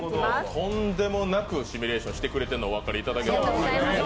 とんでもなくシミュレーションしていただけてるのお分かりいただけますか？